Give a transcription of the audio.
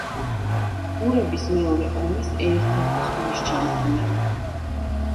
ბურების მეორე ომის ერთ-ერთი სულისჩამდგმელი.